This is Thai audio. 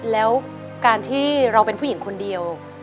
แล้วการที่เราเป็นผู้หญิงคนเดียว